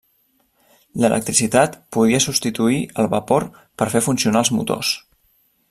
L'electricitat podia substituir el vapor per fer funcionar els motors.